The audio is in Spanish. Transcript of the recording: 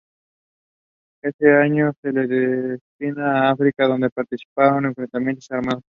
Ese año se le destina a África donde participa en enfrentamientos armados.